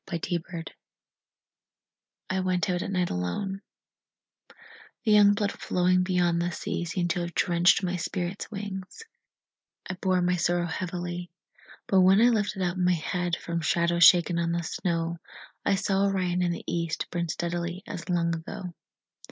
Winter Stars I went out at night alone; The young blood flowing beyond the sea Seemed to have drenched my spirit's wings I bore my sorrow heavily. But when I lifted up my head From shadows shaken on the snow, I saw Orion in the east Burn steadily as long ago.